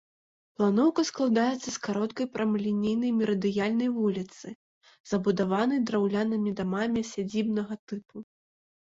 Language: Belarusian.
Планоўка складаецца з кароткай прамалінейнай мерыдыянальнай вуліцы, забудаванай драўлянымі дамамі сядзібнага тыпу.